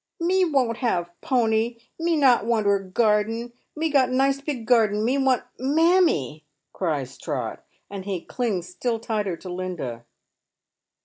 *' Me won't have pony, me not want oor garden, me got nice big garden, me want mammie," cries Trot, and he clings still tighter to Linda.